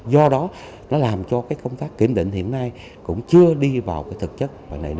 do đó nó làm cho công tác kiểm định hiện nay cũng chưa đi vào thực chất